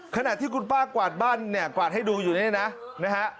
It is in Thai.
ขณะที่คุณป้ากวาดบ้านเนี่ยกวาดให้ดูอยู่นี่นะนะฮะ